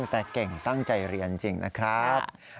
แต่เก่งตั้งใจเรียนจริงนะครับ